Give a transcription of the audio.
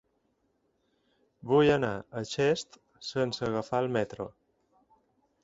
Vull anar a Xest sense agafar el metro.